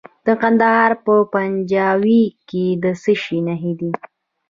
د کندهار په پنجوايي کې د څه شي نښې دي؟